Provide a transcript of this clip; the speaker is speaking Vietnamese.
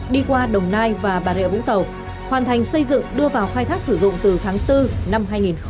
đi qua đồng nai và bà rịa vũng tàu hoàn thành xây dựng đưa vào khai thác sử dụng từ tháng bốn năm hai nghìn một mươi bảy